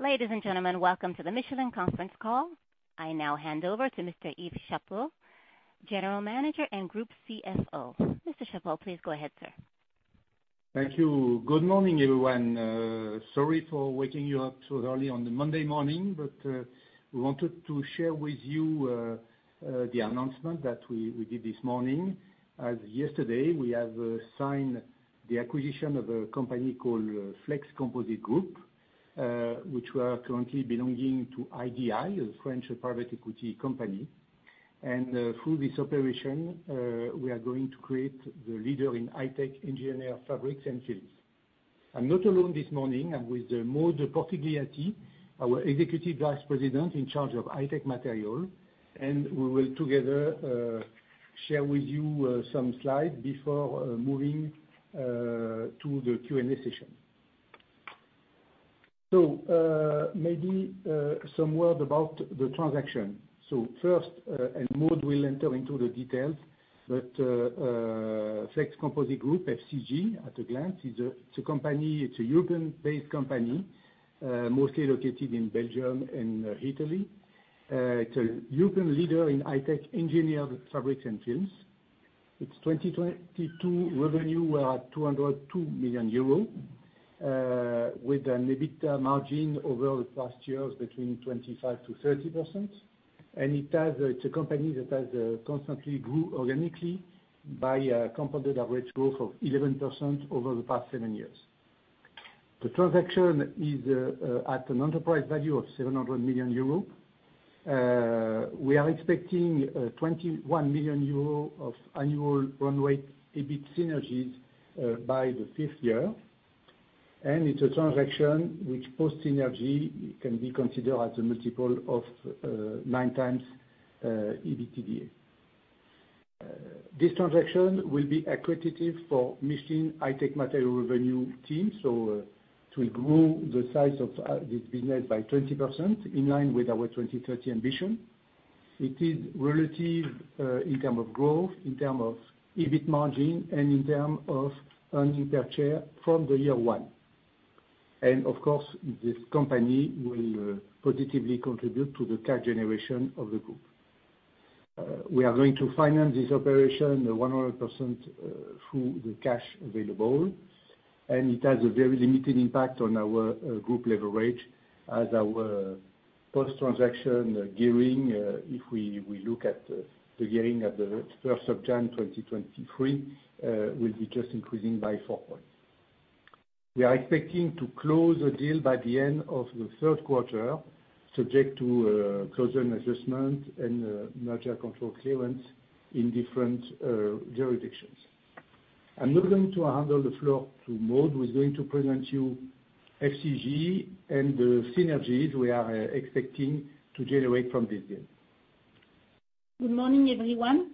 Ladies and gentlemen, welcome to the Michelin conference call. I now hand over to Mr. Yves Chapot, General Manager and Group CFO. Mr. Chapot, please go ahead, sir. Thank you. Good morning, everyone. Sorry for waking you up so early on the Monday morning, we wanted to share with you the announcement that we did this morning. Yesterday, we have signed the acquisition of a company called Flex Composite Group, which were currently belonging to IDI, a French private equity company. Through this operation, we are going to create the leader in high tech engineered fabrics and films. I'm not alone this morning. I'm with Maude Portigliatti, our Executive Vice President in charge of High-Tech Materials, we will together share with you some slides before moving to the Q&A session. Maybe some word about the transaction. First, and Maude will enter into the details, Flex Composite Group, FCG at a glance, it's a company. It's a European-based company, mostly located in Belgium and Italy. It's a European leader in high-tech engineered fabrics and films. Its 2022 revenue were at 202 million euros, with an EBITDA margin over the past years between 25%-30%. It's a company that has constantly grew organically by a compounded average growth of 11% over the past seven years. The transaction is at an enterprise value of 700 million euro. We are expecting 21 million euro of annual run rate EBIT synergies by the fifth year. It's a transaction which post synergy can be considered as a multiple of 9x EBITDA. This transaction will be accretive for Michelin High-Tech Materials revenue team, so it will grow the size of this business by 20%, in line with our 2030 ambition. It is relative, in term of growth, in term of EBIT margin, and in term of earnings per share from the year one. Of course, this company will positively contribute to the cash generation of the Group. We are going to finance this operation 100% through the cash available, and it has a very limited impact on our Group leverage as our post-transaction gearing, if we look at the gearing at the January 1st, 2023, will be just increasing by 4 points. We are expecting to close the deal by the end of the third quarter, subject to closing adjustment and merger control clearance in different jurisdictions. I'm now going to hand over the floor to Maude, who is going to present you FCG and the synergies we are expecting to generate from this deal. Good morning, everyone.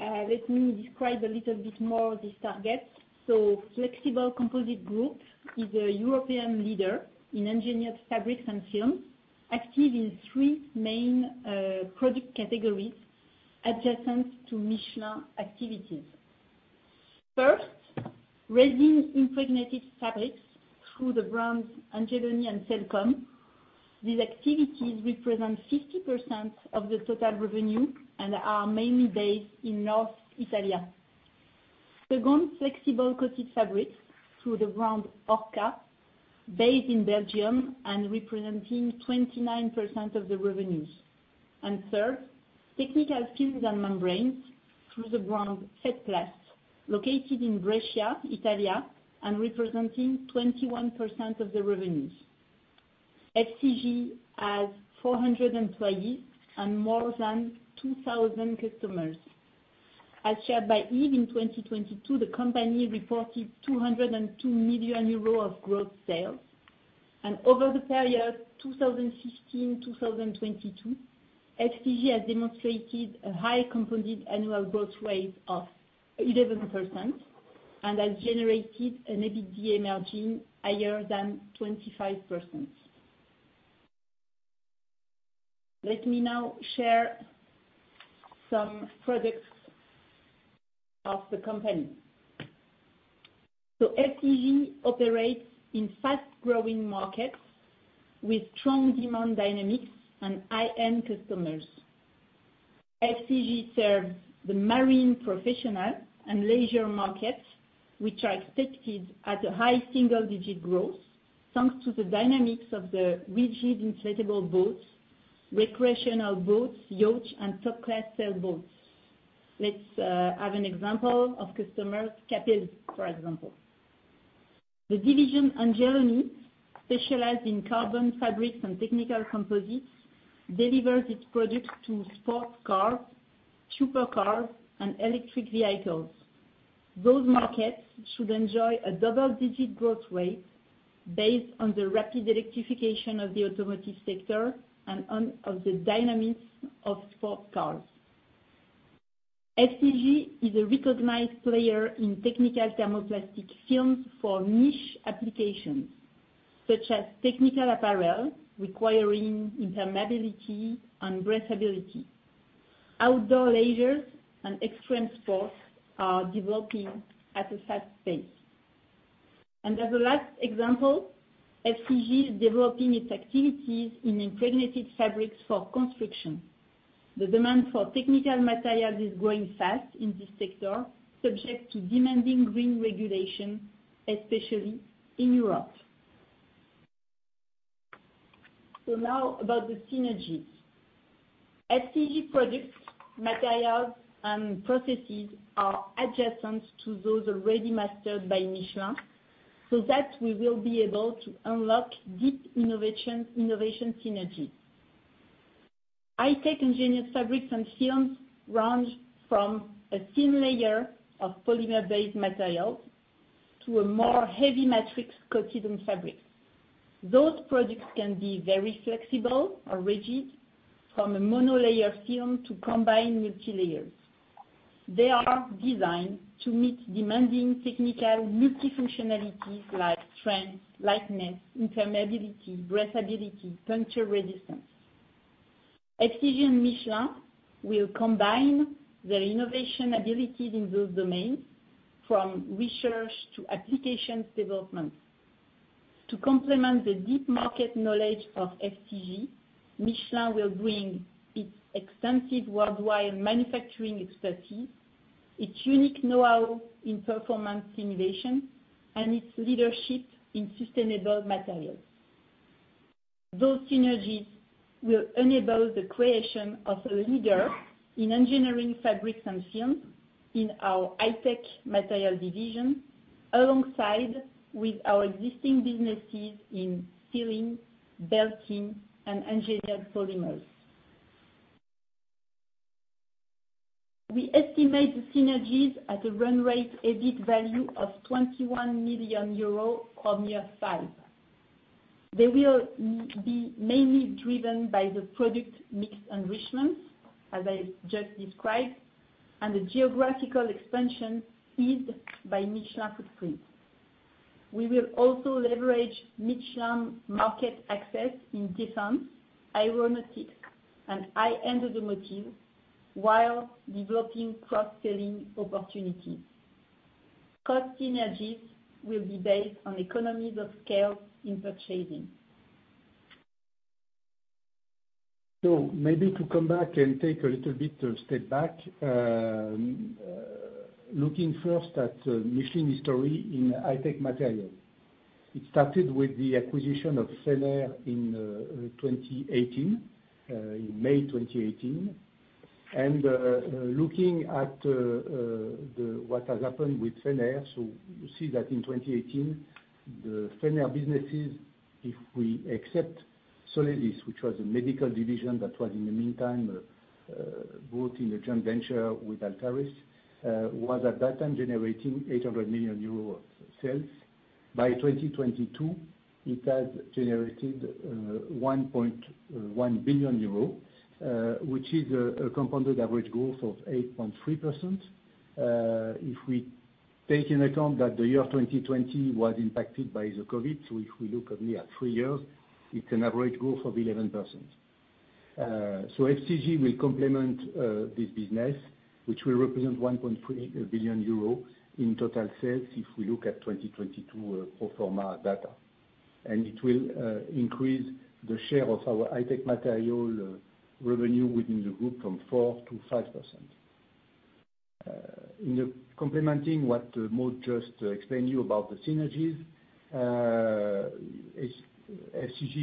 Let me describe a little bit more this target. Flex Composite Group is a European leader in engineered fabrics and films, active in three main product categories adjacent to Michelin activities. First, resin-impregnated fabrics through the brands Angeloni and Selcom. These activities represent 50% of the total revenue and are mainly based in Northern Italy. Second, flexible coated fabrics through the brand Orca, based in Belgium and representing 29% of the revenues. Third, technical films and membranes through the brand FAIT PLAST, located in Brescia, Italy, and representing 21% of the revenues. FCG has 400 employees and more than 2,000 customers. As shared by Yves, in 2022, the company reported 202 million euros of growth sales. Over the period 2015, 2022, FCG has demonstrated a high compounded annual growth rate of 11% and has generated an EBITDA margin higher than 25%. Let me now share some products of the company. FCG operates in fast-growing markets with strong demand dynamics and high-end customers. FCG serves the marine professional and leisure markets, which are expected at a high single-digit growth, thanks to the dynamics of the rigid inflatable boats, recreational boats, yachts, and top-class sailboats. Let's have an example of customers, Capelli, for example. The division Angeloni, specialized in carbon fabrics and technical composites, delivers its products to sports cars, supercars, and electric vehicles. Those markets should enjoy a double-digit growth rate based on the rapid electrification of the automotive sector and of the dynamics of sports cars. FCG is a recognized player in technical thermoplastic films for niche applications, such as technical apparel requiring impermeability and breathability. Outdoor leisure and extreme sports are developing at a fast pace. As a last example, FCG is developing its activities in impregnated fabrics for construction. The demand for technical materials is growing fast in this sector, subject to demanding green regulation, especially in Europe. Now about the synergies. FCG products, materials, and processes are adjacent to those already mastered by Michelin, so that we will be able to unlock deep innovation synergies. High-tech engineered fabrics and films range from a thin layer of polymer-based materials to a more heavy matrix coated on fabrics. Those products can be very flexible or rigid, from a monolayer film to combined multilayers. They are designed to meet demanding technical multifunctionalities like strength, lightness, impermeability, breathability, puncture resistance. FCG and Michelin will combine their innovation abilities in those domains, from research to applications development. To complement the deep market knowledge of FCG, Michelin will bring its extensive worldwide manufacturing expertise, its unique know-how in performance innovation, and its leadership in sustainable materials. Those synergies will enable the creation of a leader in engineering fabrics and films in our high-tech material division, alongside with our existing businesses in sealing, belting, and engineered polymers. We estimate the synergies at a run rate EBIT value of 21 million euro from year five. They will be mainly driven by the product mix enrichments, as I just described, and the geographical expansion eased by Michelin footprint. We will also leverage Michelin market access in defense, aeronautics, and high-end automotive, while developing cross-selling opportunities. Cost synergies will be based on economies of scale in purchasing. Maybe to come back and take a little bit of step back, looking first at Michelin history in High-Tech Materials. It started with the acquisition of Fenner in 2018, in May 2018. Looking at what has happened with Faurecia, you see that in 2018, the Fenner businesses, if we accept Solesis, which was a medical division that was in the meantime bought in a joint venture with Altaris, was at that time generating 800 million euro of sales. By 2022, it has generated 1.1 billion euro, which is a compounded average growth of 8.3%. If we take into account that the year 2020 was impacted by the COVID, so if we look only at three years, it's an average growth of 11%. FCG will complement this business, which will represent 1.3 billion euro in total sales if we look at 2022 pro forma data, and it will increase the share of our High-Tech Material revenue within the Group from 4%-5%. In complementing what Maude just explained to you about the synergies, FCG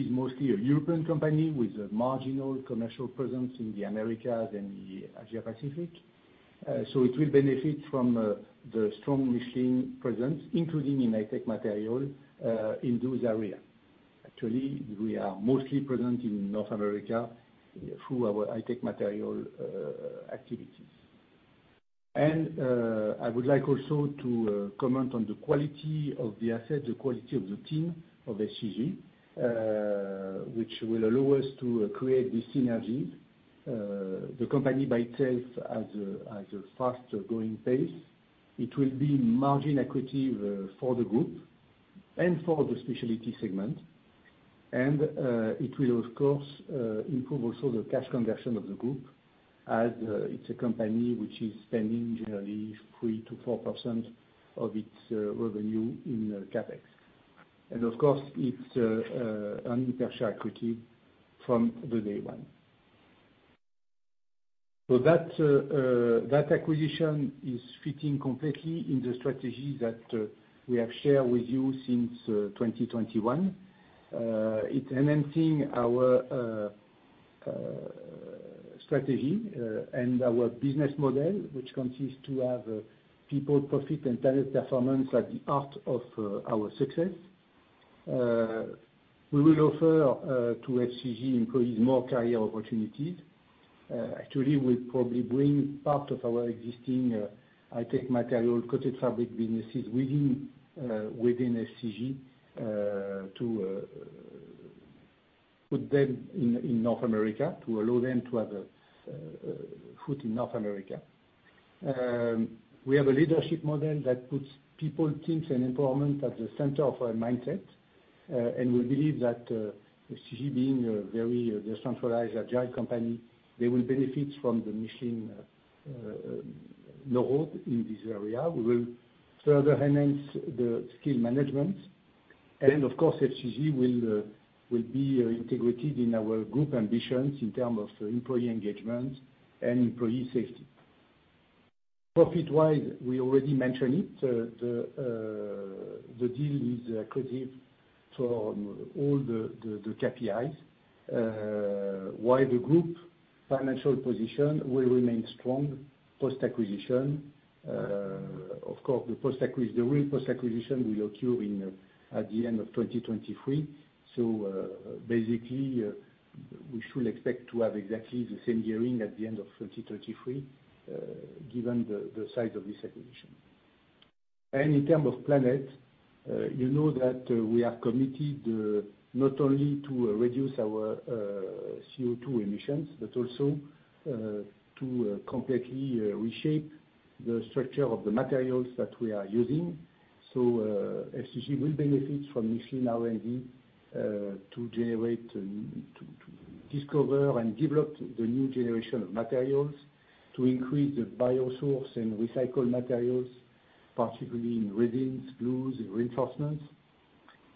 is mostly a European company with a marginal commercial presence in the Americas and the Asia Pacific. It will benefit from the strong Michelin presence, including in High-Tech Material, in those area. Actually, we are mostly present in North America through our High-Tech Material activities. I would like also to comment on the quality of the asset, the quality of the team of FCG, which will allow us to create the synergy. The company by itself has a fast-growing pace. It will be margin accretive for the Group and for the specialty segment, and it will of course improve also the cash conversion of the Group, as it's a company which is spending generally 3%-4% of its revenue in CapEx. Of course, it's earning per share accretive from the day one. That acquisition is fitting completely in the strategy that we have shared with you since 2021. It's enhancing our strategy and our business model, which consists to have People, Profit, and talent performance at the heart of our success. We will offer to FCG employees more career opportunities. Actually, we'll probably bring part of our existing High-Tech Material coated fabric businesses within FCG to put them in North America, to allow them to have a foot in North America. We have a leadership model that puts people, teams, and empowerment at the center of our mindset. We believe that FCG being a very decentralized, agile company, they will benefit from the Michelin know-how in this area. We will further enhance the skill management. Of course, FCG will be integrated in our Group ambitions in terms of employee engagement and employee safety. Profit-wise, we already mentioned it, the deal is accretive to all the KPIs. While the Group financial position will remain strong post-acquisition, of course, the real post-acquisition will occur at the end of 2023. Basically, we should expect to have exactly the same gearing at the end of 2033, given the size of this acquisition. In term of Planet, you know that we are committed not only to reduce our CO2 emissions, but also to completely reshape the structure of the materials that we are using. FCG will benefit from Michelin R&D to generate, to discover and develop the new generation of materials, to increase the bio-sourced and recycled materials, particularly in resins, glues, and reinforcements.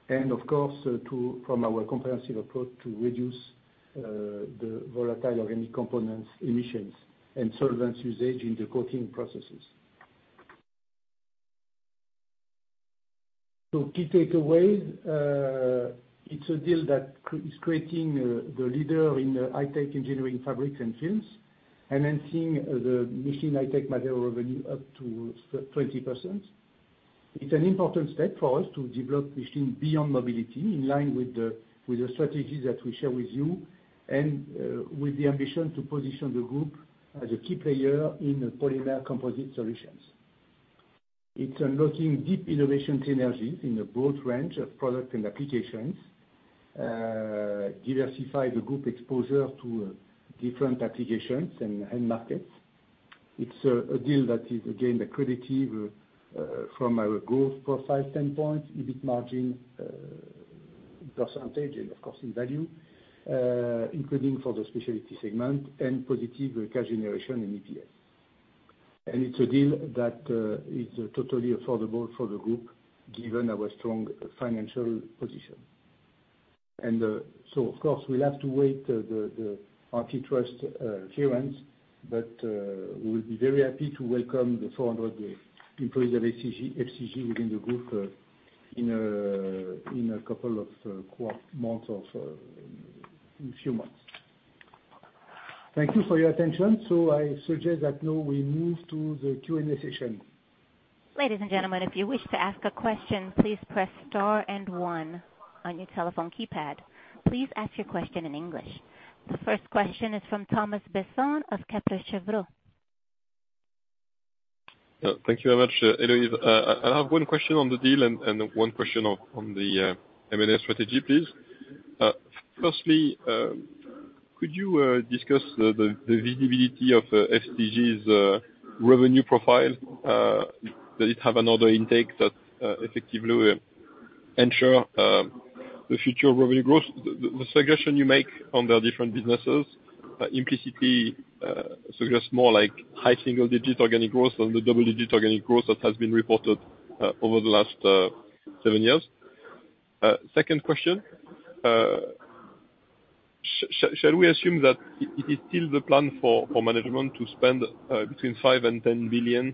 Of course, to, from our comprehensive approach, to reduce the Volatile Organic Compound emissions and solvents usage in the coating processes. Key takeaways, it's a deal that is creating the leader in the high-tech engineering fabrics and films, enhancing the Michelin High-Tech Material revenue up to 20%. It's an important step for us to develop Michelin beyond mobility, in line with the strategy that we share with you, and with the ambition to position the Group as a key player in the polymer composite solutions. It's unlocking deep innovation synergies in a broad range of products and applications, diversify the Group exposure to different applications and end markets. It's a deal that is, again, accretive, from a growth profile standpoint, EBIT margin percentage, and of course in value, including for the specialty segment, and positive cash generation in EPS. It's a deal that is totally affordable for the Group, given our strong financial position. Of course, we'll have to wait the antitrust clearance, but we will be very happy to welcome the 400 employees of FCG within the Group, in a couple of months or, in few months. Thank you for your attention. I suggest that now we move to the Q&A session. Ladies and gentlemen, if you wish to ask a question, please press star and one on your telephone keypad. Please ask your question in English. The first question is from Thomas Besson of Kepler Cheuvreux. Thank you very much. I have one question on the deal and one question on the M&A strategy, please. Firstly, could you discuss the visibility of FCG's revenue profile? Does it have another intake that effectively will ensure the future revenue growth? The suggestion you make on the different businesses implicitly suggests more like high single-digit organic growth than the double-digit organic growth that has been reported over the last seven years. Second question, shall we assume that it is still the plan for management to spend between 5 billion and 10 billion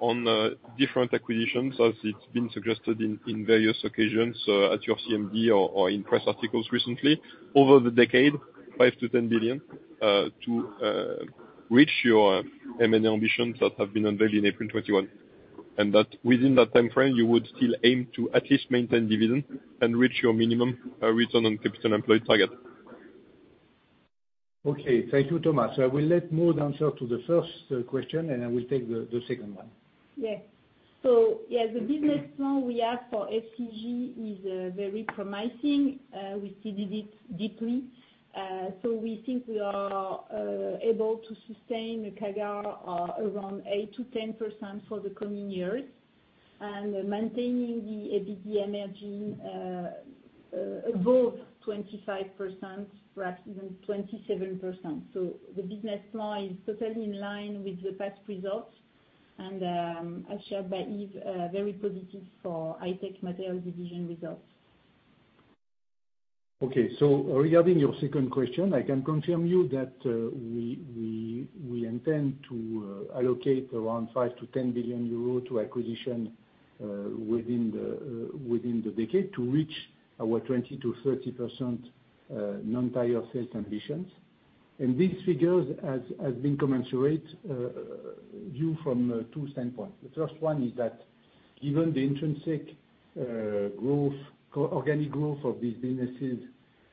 on different acquisitions, as it's been suggested in various occasions at your CMD or in press articles recently, over the decade, 5 billion-10 billion to reach your M&A ambitions that have been unveiled in April 2021? And that within that timeframe, you would still aim to at least maintain dividend and reach your minimum Return on Capital Employed target. Okay, thank you, Thomas. I will let Maude answer to the first question, and I will take the second one. Yes. Yeah, the business plan we have for FCG is very promising. We studied it deeply. We think we are able to sustain a CAGR around 8%-10% for the coming years. Maintaining the EBITDA margin above 25%, perhaps even 27%. The business plan is totally in line with the past results, and as shared by Yves, very positive for High-Tech Materials division results. Okay. Regarding your second question, I can confirm you that we intend to allocate around 5 billion-10 billion euros to acquisition within the decade to reach our 20%-30% non-tire sales ambitions. These figures has been commensurate viewed from two standpoints. The first one is that given the intrinsic growth, organic growth of these businesses,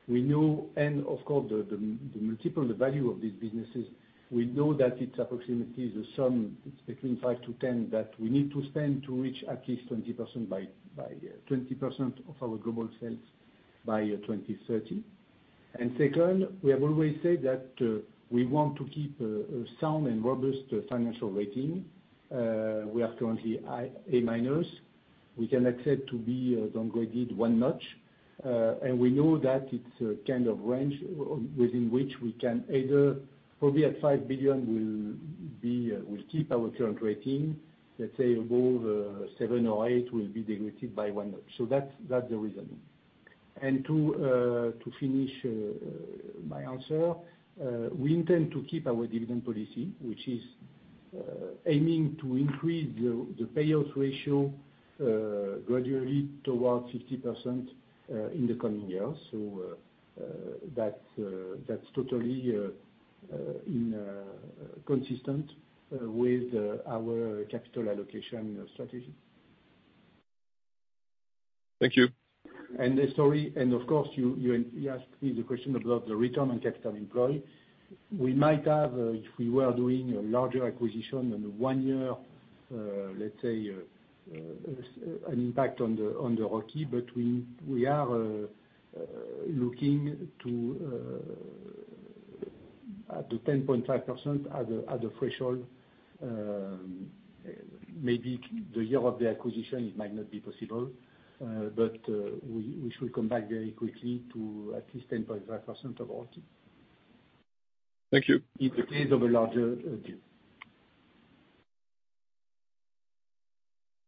we know and of course, the multiple, the value of these businesses, we know that it's approximately the sum, it's between 5 billion-10 billion, that we need to spend to reach at least 20% by 20% of our global sales by 2030. Second, we have always said that we want to keep a sound and robust financial rating. We are currently at A-. We can accept to be downgraded one notch. We know that it's a kind of range within which we can probably at 5 billion we'll be, we'll keep our current rating. Let's say above 7 billion or 8 billion, we'll be degraded by one notch. That's the reasoning. To finish my answer, we intend to keep our dividend policy, which is aiming to increase the payout ratio gradually towards 50% in the coming years. That's totally in consistent with our capital allocation strategy. Thank you. Sorry, and of course, you asked me the question about the Return on Capital Employed. We might have, if we were doing a larger acquisition on a one-year, let's say, an impact on the ROCE, but we are looking at the 10.5% as a threshold. Maybe the year of the acquisition, it might not be possible, but we should come back very quickly to at least 10.5% of ROCE. Thank you. In the case of a larger deal.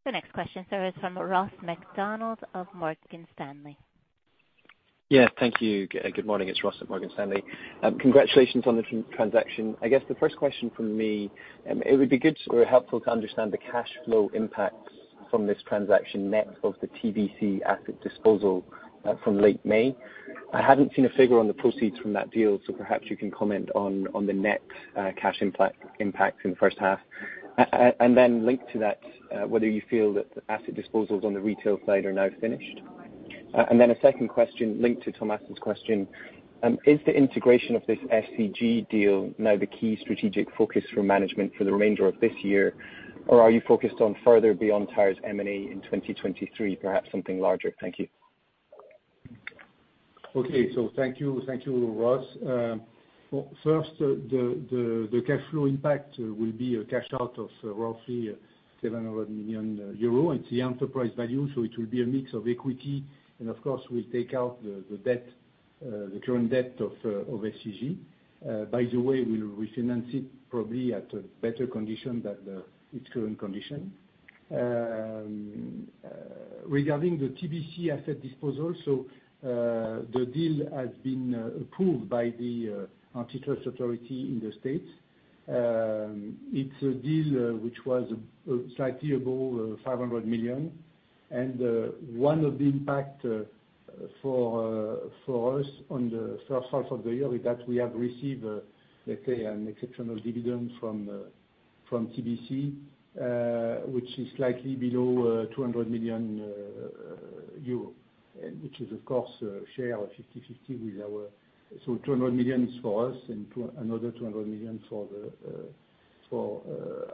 The next question, sir, is from Ross MacDonald of Morgan Stanley. Yeah, thank you. Good morning, it's Ross MacDonald at Morgan Stanley. Congratulations on the transaction. I guess the first question from me, it would be good or helpful to understand the cash flow impacts from this transaction net of the TBC asset disposal from late May. I hadn't seen a figure on the proceeds from that deal, perhaps you can comment on the net cash impact in the first half. Linked to that, whether you feel that the asset disposals on the retail side are now finished? A second question linked to Thomas's question, is the integration of this FCG deal now the key strategic focus for management for the remainder of this year, or are you focused on further beyond tires M&A in 2023, perhaps something larger? Thank you. Okay, thank you. Thank you, Ross. first, the cash flow impact will be a cash out of roughly 700 million euro. It's the enterprise value, it will be a mix of equity, and of course, we'll take out the debt, the current debt of FCG. By the way, we'll refinance it probably at a better condition than its current condition. Regarding the TBC asset disposal, the deal has been approved by the antitrust authority in the States. It's a deal which was slightly above $500 million. One of the impact for us on the first half of the year is that we have received, let's say, an exceptional dividend from TBC, which is slightly below 200 million euro, and which is, of course, a share of 50/50. 200 million is for us, and another 200 million for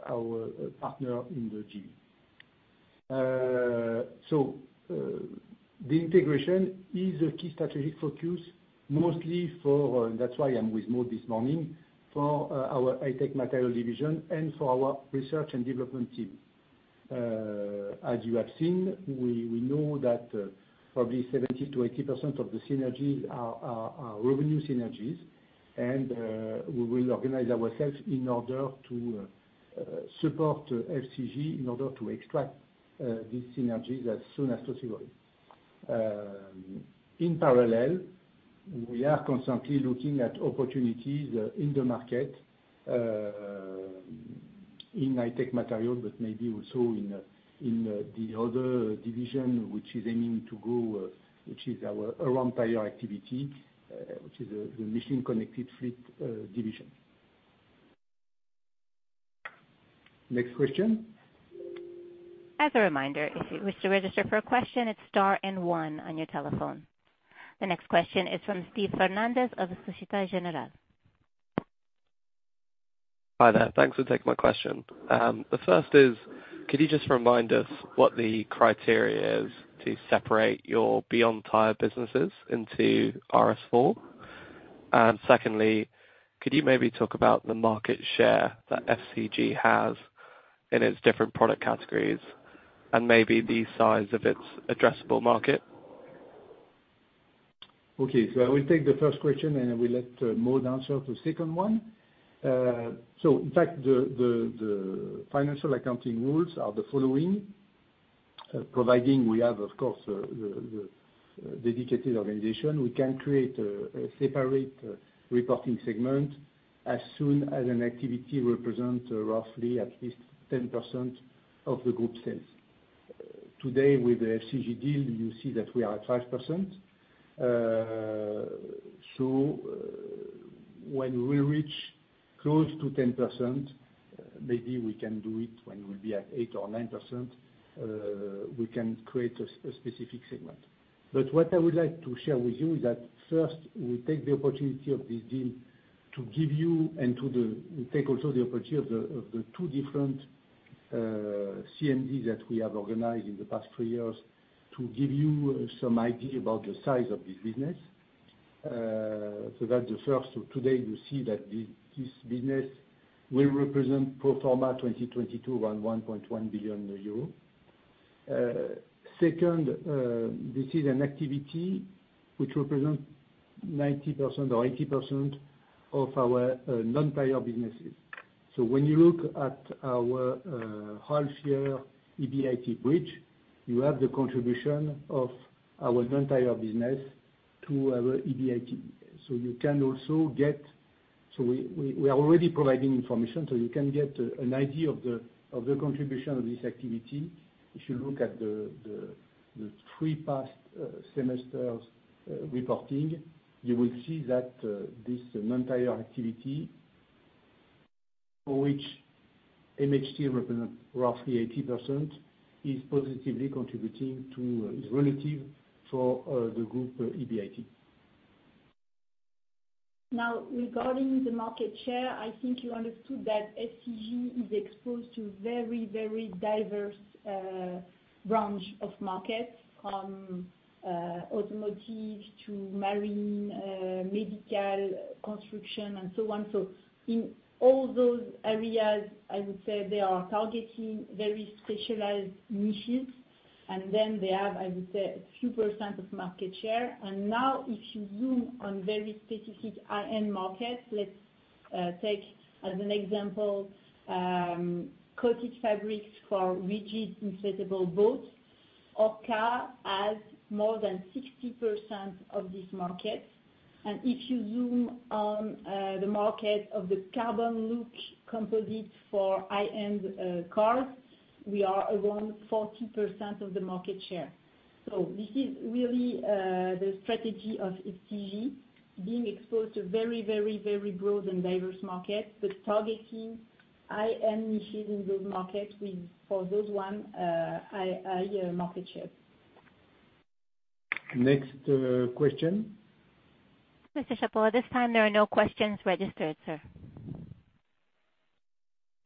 our partner in the deal. The integration is a key strategic focus, mostly for, that's why I'm with Maud this morning, for our High-Tech Materials division and for our research and development team. As you have seen, we know that probably 70%-80% of the synergies are revenue synergies, and we will organize ourselves in order to support FCG in order to extract these synergies as soon as possible. In parallel, we are constantly looking at opportunities in the market in High-Tech Materials, but maybe also in the other division, which is aiming to go, which is our around tire activity, which is the Michelin Connected Fleet division. Next question? As a reminder, if you wish to register for a question, it's star and one on your telephone. The next question is from Steve Fernandes of Société Générale. Hi there. Thanks for taking my question. The first is, could you just remind us what the criteria is to separate your Beyond tire businesses into RS4? Secondly, could you maybe talk about the market share that FCG has in its different product categories, and maybe the size of its addressable market? Okay, I will take the first question, and I will let Maude answer the second one. In fact, the financial accounting rules are the following: providing we have, of course, the dedicated organization, we can create a separate reporting segment as soon as an activity represent roughly at least 10% of the Group sales. Today, with the FCG deal, you see that we are at 5%. When we reach close to 10%, maybe we can do it when we'll be at 8% or 9%, we can create a specific segment. What I would like to share with you is that first, we take the opportunity of this deal to give you and we take also the opportunity of the two different-... CMD that we have organized in the past three years to give you some idea about the size of this business. That the first, today you see that this business will represent pro forma 2022 around 1.1 billion euro. Second, this is an activity which represent 90% or 80% of our non-tire businesses. When you look at our half year EBIT bridge, you have the contribution of our non-tire business to our EBIT. You can also so we are already providing information, so you can get an idea of the contribution of this activity. If you look at the three past semesters reporting, you will see that this non-tire activity, for which MHT represent roughly 80%, is positively contributing to is relative for the Group EBIT. Regarding the market share, I think you understood that FCG is exposed to very, very diverse branch of markets, from automotive to marine, medical, construction, and so on. In all those areas, I would say they are targeting very specialized niches, and then they have, I would say, a few percent of market share. If you zoom on very specific high-end markets, let's take as an example, coated fabrics for rigid inflatable boats, Orca has more than 60% of this market. If you zoom on the market of the carbon look composites for high-end cars, we are around 40% of the market share. This is really, the strategy of FCG, being exposed to very, very, very broad and diverse market, but targeting high-end niches in those markets with, for those one, market share. Next, question? Mr. Chapot, at this time there are no questions registered, sir.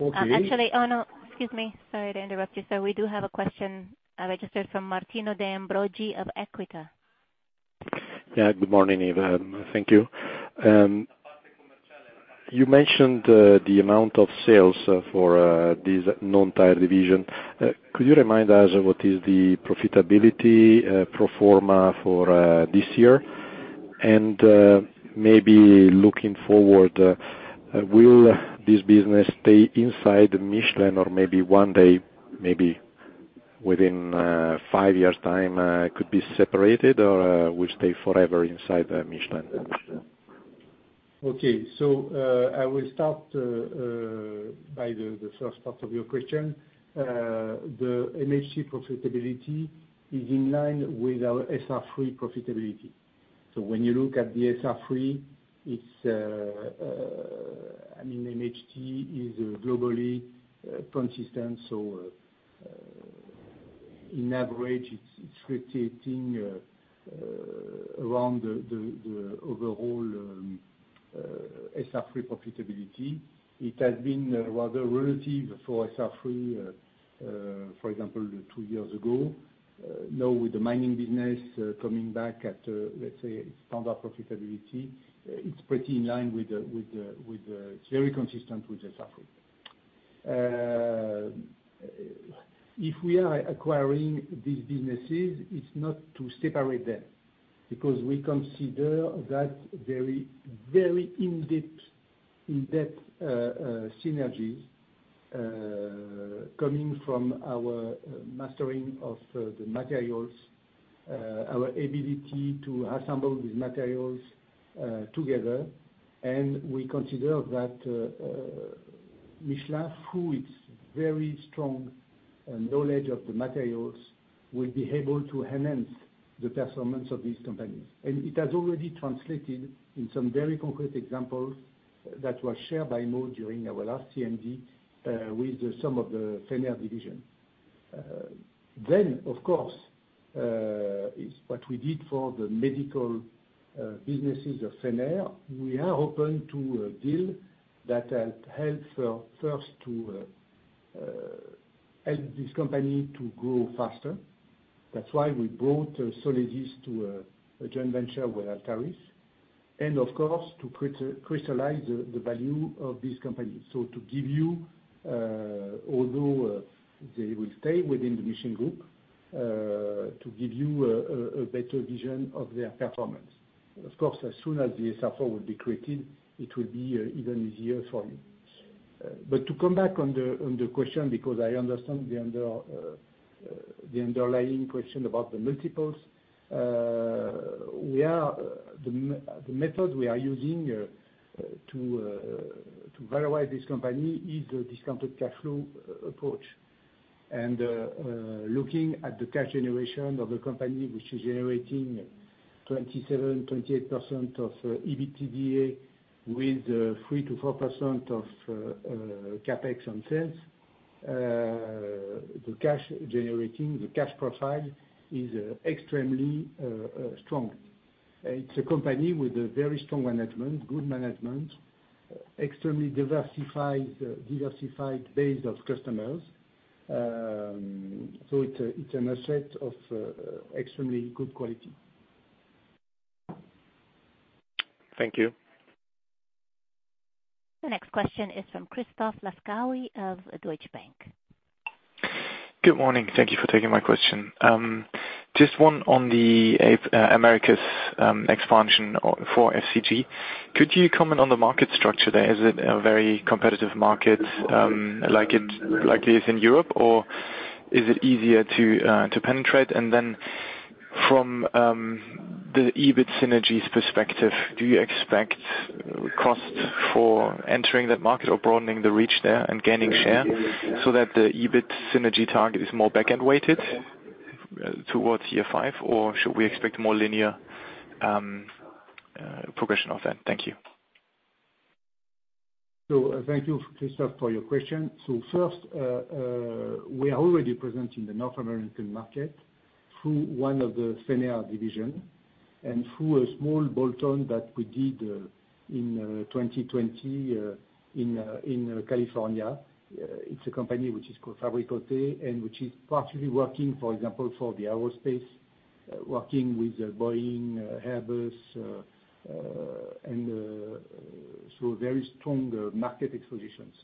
Okay. No, excuse me. Sorry to interrupt you, sir. We do have a question registered from Martino De Ambroggi of EQUITA. Yeah, good morning, Yves. Thank you. You mentioned the amount of sales for this non-tire division. Could you remind us what is the profitability pro forma for this year? Maybe looking forward, will this business stay inside Michelin or maybe one day, maybe within five years' time, could be separated or will stay forever inside Michelin? Okay. I will start by the first part of your question. The MHT profitability is in line with our SR3 profitability. When you look at the SR3, it's, I mean, MHT is globally consistent, in average, it's rotating around the overall SR3 profitability. It has been rather relative for SR3, for example, two years ago. Now with the mining business coming back at, let's say, standard profitability, it's pretty in line with the, it's very consistent with the SR3. If we are acquiring these businesses, it's not to separate them, because we consider that very in-depth synergy coming from our mastering of the materials, our ability to assemble these materials together. We consider that Michelin, through its very strong knowledge of the materials, will be able to enhance the performance of these companies. It has already translated in some very concrete examples that were shared by Mo during our last CMD with some of the Fenner division. Of course, is what we did for the medical businesses of Fenner. We are open to a deal that will help for first to help this company to grow faster. That's why we brought Solesis to a joint venture with Altaris, and of course, to crystallize the value of this company. To give you, although they will stay within the Michelin Group, to give you a better vision of their performance. Of course, as soon as the SR4 will be created, it will be even easier for you. To come back on the question, because I understand the underlying question about the multiples, we are, the method we are using to valorize this company is the discounted cash flow approach. Looking at the cash generation of the company, which is generating 27%-28% of EBITDA with 3%-4% of CapEx on sales, the cash profile is extremely strong. It's a company with a very strong management, good management, extremely diversified base of customers. It's an asset of extremely good quality. Thank you. The next question is from Christoph Laskawi of Deutsche Bank. Good morning, thank you for taking my question. Just one on the A- Americas expansion for FCG. Could you comment on the market structure there? Is it a very competitive market, like it is in Europe? Or is it easier to penetrate? From the EBIT synergies perspective, do you expect costs for entering that market or broadening the reach there and gaining share, so that the EBIT synergy target is more back-end weighted towards year five? Or should we expect more linear progression of that? Thank you. Thank you, Christoph, for your question. First, we are already present in the North American market through one of the Fenner division, and through a small bolt-on that we did in 2020 in California. It's a company which is called Fabri Cote, and which is partially working, for example, for the aerospace, working with Boeing, Airbus, and very strong market expositions.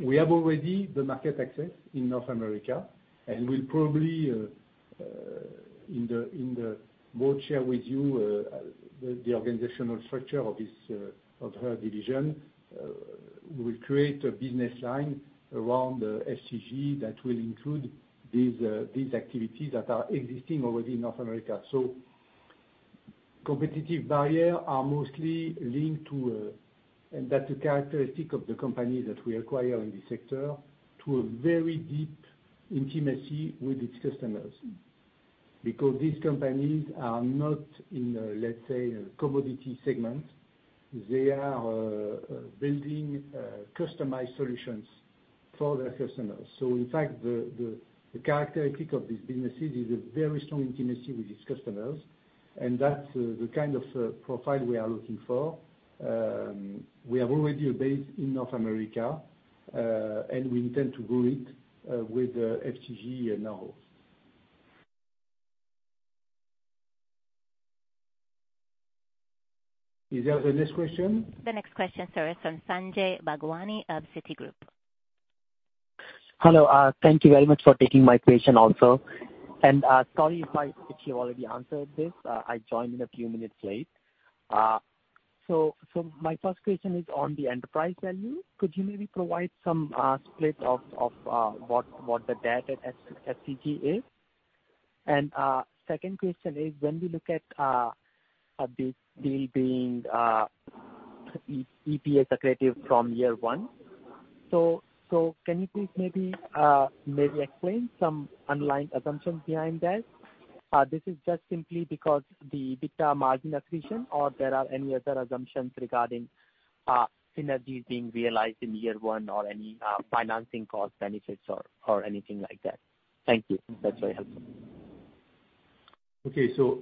We have already the market access in North America, and we'll probably in the board share with you the organizational structure of this of entire division. We create a business line around the FCG that will include these activities that are existing already in North America. Competitive barrier are mostly linked to, and that's a characteristic of the company that we acquire in this sector, to a very deep intimacy with its customers. These companies are not in, let's say, commodity segment. They are building customized solutions for their customers. In fact, the, the characteristic of these businesses is a very strong intimacy with its customers, and that's the kind of profile we are looking for. We have already a base in North America, and we intend to grow it with FCG and now. Is there the next question? The next question, sir, is from Sanjay Bhagwani of Citigroup. Hello, thank you very much for taking my question also. Sorry if you already answered this, I joined in a few minutes late. My first question is on the enterprise value. Could you maybe provide some split of what the debt at FCG is? Second question is, when we look at a big deal being EPS accretive from year one, can you please explain some underlying assumptions behind that? This is just simply because the EBITDA margin accretion, or there are any other assumptions regarding synergies being realized in year one, or any financing cost benefits or anything like that? Thank you. That's very helpful.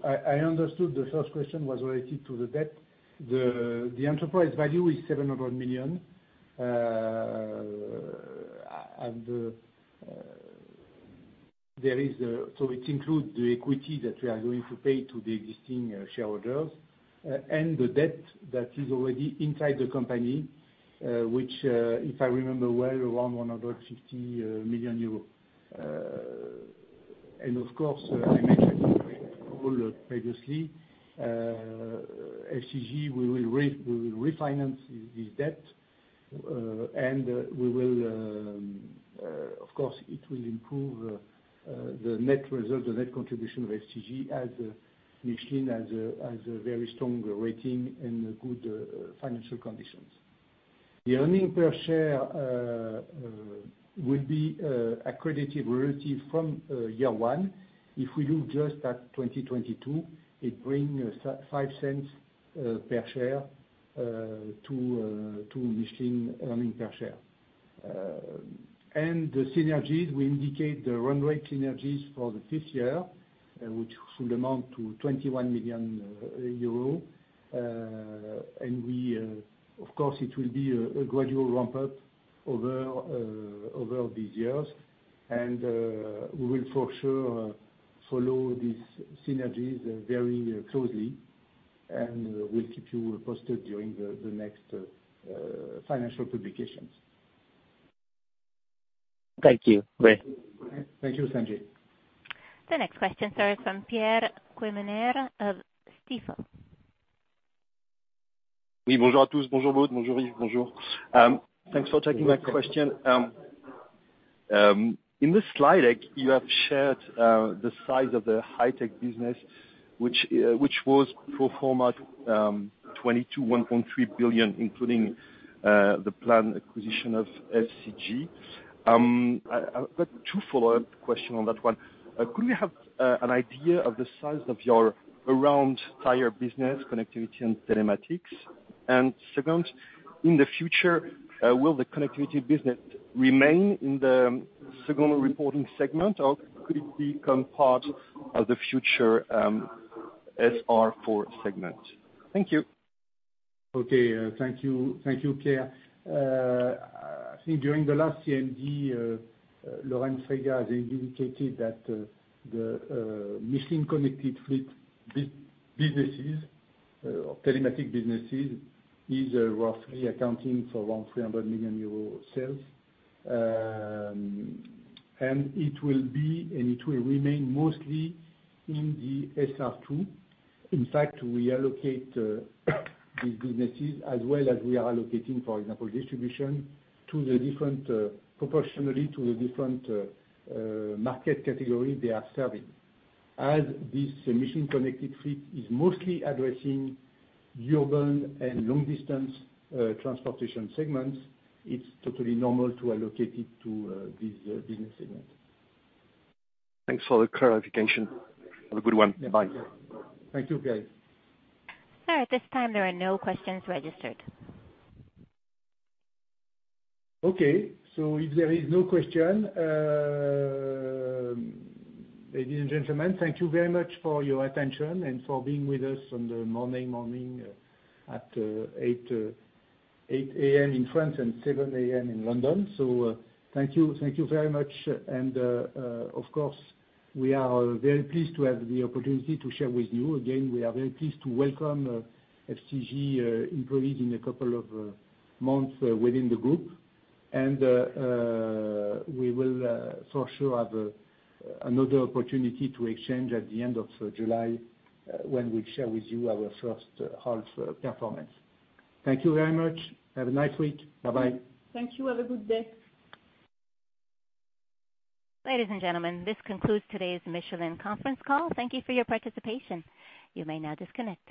I understood the first question was related to the debt. The enterprise value is 700 million, and it includes the equity that we are going to pay to the existing shareholders, and the debt that is already inside the company, which, if I remember well, around 150 million euros. And of course, I mentioned previously, FCG, we will refinance this debt, and we will, of course, it will improve the net result, the net contribution of FCG as Michelin has a very strong rating and good financial conditions. The Earnings per share will be accretive relative from year one. If we look just at 2022, it bring 0.05 per share to Michelin earning per share. The synergies, we indicate the run rate synergies for the 5th year, which should amount to 21 million euro. We, of course, it will be a gradual ramp up over these years. We will for sure follow these synergies very closely, and we'll keep you posted during the next financial publications. Thank you. Great. Thank you, Sanjay. The next question, sir, is from Pierre Quemener of Stifel. Thanks for taking my question. In this slide deck, you have shared the size of the High-Tech business, which was pro forma 2022, 1.3 billion, including the planned acquisition of FCG. I've got two follow-up question on that one. Could we have an idea of the size of your around tire business, connectivity, and telematics? Second, in the future, will the connectivity business remain in the second reporting segment, or could it become part of the future SR4 segment? Thank you. Okay, thank you. Thank you, Pierre. I think during the last CMD, Lorraine Frega has indicated that the MICHELIN Connected Fleet businesses, or telematic businesses, is roughly accounting for around 300 million euro of sales. It will remain mostly in the SR2. In fact, we allocate these businesses as well as we are allocating, for example, distribution to the different, proportionally to the different, market category they are serving. As this Michelin Connected Fleet is mostly addressing urban and long distance, transportation segments, it's totally normal to allocate it to this business segment. Thanks for the clarification. Have a good one. Bye. Thank you, Pierre. Sir, at this time there are no questions registered. Okay, if there is no question, ladies and gentlemen, thank you very much for your attention and for being with us on the Monday morning at 8:00 A.M. in France and 7:00 A.M. in London. Thank you. Thank you very much. Of course, we are very pleased to have the opportunity to share with you. Again, we are very pleased to welcome FCG employees in a couple of months within the Group. We will, for sure, have another opportunity to exchange at the end of July, when we'll share with you our first half performance. Thank you very much. Have a nice week. Bye-bye. Thank you. Have a good day. Ladies and gentlemen, this concludes today's Michelin conference call. Thank you for your participation. You may now disconnect.